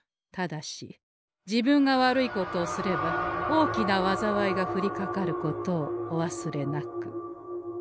ただし自分が悪いことをすれば大きなわざわいが降りかかることをお忘れなく。